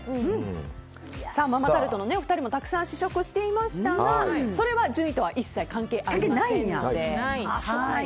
ママタルトのお二人もたくさん試食をしていましたがそれは順位とは一切関係ありませんので。